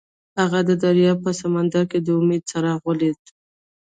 هغه د دریاب په سمندر کې د امید څراغ ولید.